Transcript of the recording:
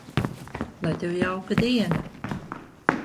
Lai Tev jauka diena!